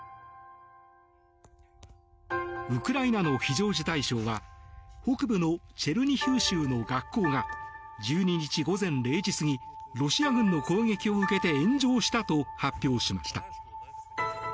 ウクライナの非常事態省は北部のチェルニヒウ州の学校が１２日、午前０時過ぎロシア軍の攻撃を受けて炎上したと発表しました。